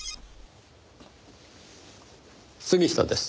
杉下です。